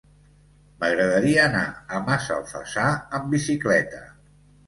M'agradaria anar a Massalfassar amb bicicleta.